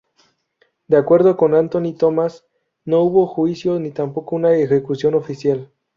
De acuerdo con Antony Thomas, no hubo juicio ni tampoco una ejecución oficial.